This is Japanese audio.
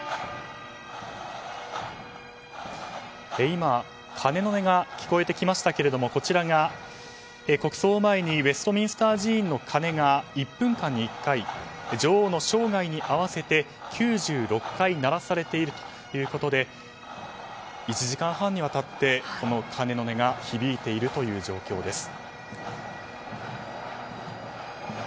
今、鐘の音が聞こえてきましたけれども国葬を前にウェストミンスター寺院の鐘が１分間に１回女王の生涯に合わせて９６回鳴らされているということで１時間半にわたって、鐘の音が響いているという状況です。